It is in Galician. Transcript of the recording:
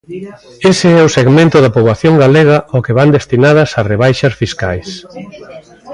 Ese é o segmento da poboación galega ao que van destinadas as rebaixas fiscais.